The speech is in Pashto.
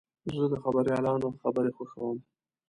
زه د خبریالانو خبرې خوښوم.